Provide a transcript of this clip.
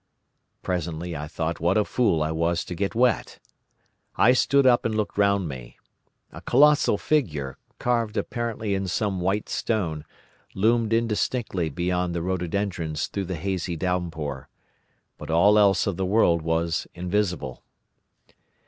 "Presently I thought what a fool I was to get wet. I stood up and looked round me. A colossal figure, carved apparently in some white stone, loomed indistinctly beyond the rhododendrons through the hazy downpour. But all else of the world was invisible.